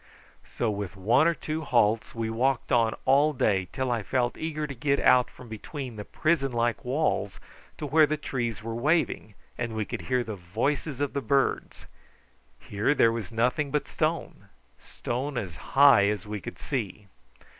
So with one or two halts we walked on all day till I felt eager to get out from between the prison like walls to where the trees were waving, and we could hear the voices of the birds. Here there was nothing but stone, stone as high as we could see.